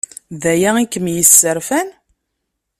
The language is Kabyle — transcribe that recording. D aya i kem-yesserfan?